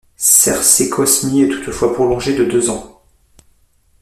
Serse Cosmi est toutefois prolongé de deux ans.